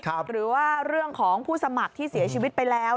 หรือว่าเรื่องของผู้สมัครที่เสียชีวิตไปแล้ว